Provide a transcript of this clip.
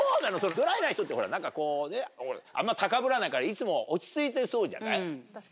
ドライな人ってあんま高ぶらないからいつも落ち着いてそうじゃない？